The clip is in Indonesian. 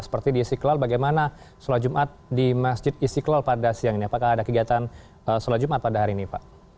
seperti di istiqlal bagaimana sholat jumat di masjid istiqlal pada siang ini apakah ada kegiatan sholat jumat pada hari ini pak